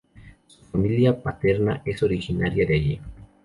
Su familia paterna es originaria de allí.